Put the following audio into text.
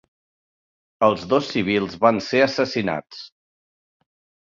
Els dos civils van ser assassinats.